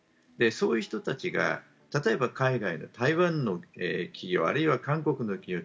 そういう人たちが例えば、海外の台湾の企業あるいは韓国の企業